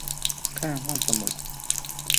ข้างห้องสมุด